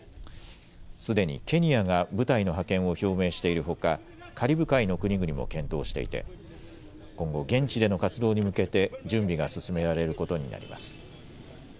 すでにケニアが部隊の派遣を表明しているほか、カリブ海の国々も検討していて今後、現地での活動に向けて準備が進められることになります。